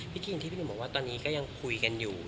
พี่กีมที่บังว่าตอนนี้ก็ยังคุยกันอยู่